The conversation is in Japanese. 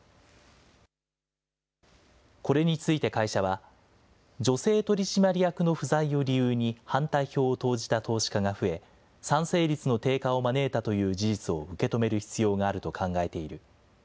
これについて会社は、女性取締役の不在を理由に反対票を投じた投資家が増え、賛成率の低下を招いたという事実を受け止める必要があると考えている。